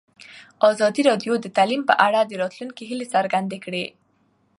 ازادي راډیو د تعلیم په اړه د راتلونکي هیلې څرګندې کړې.